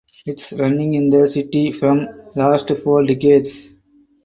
It is running in the city from last four decades.